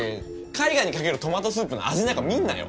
絵画にかけるトマトスープの味なんか見んなよ！